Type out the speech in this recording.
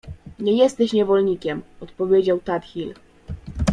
— Nie jesteś niewolnikiem — odpowiedział Tadhil.